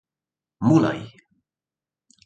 Mulai.